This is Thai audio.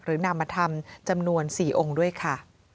หรือนามธรรมจำนวน๔องค์ด้วยค่ะ